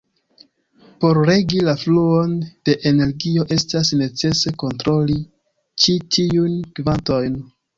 Por regi la fluon de energio estas necese kontroli ĉi tiujn kvantojn.